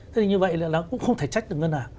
thế thì như vậy là nó cũng không thể trách được ngân hàng